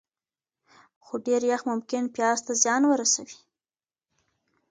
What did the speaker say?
خو ډېر یخ ممکن پیاز ته زیان ورسوي.